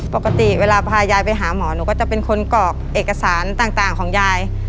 ปกติเวลาพายายไปหาหมอหนูก็จะเป็นคนกรอกเอกสารต่างของยาย